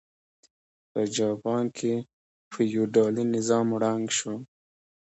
په جاپان کې فیوډالي نظام ړنګ شو.